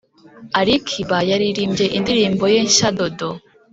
ali kiba yaririmbye indirimbo ye nshya “dodo”